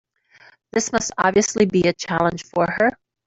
This must obviously be a challenge for her.